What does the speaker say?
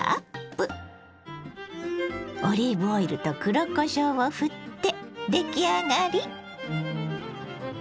オリーブオイルと黒こしょうをふって出来上がり。